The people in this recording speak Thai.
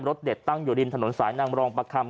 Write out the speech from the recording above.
เด็ดตั้งอยู่ริมถนนสายนางรองประคำ